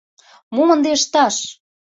«Мом ынде ышташ?